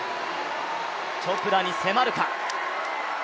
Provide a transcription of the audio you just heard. チョプラに迫るか。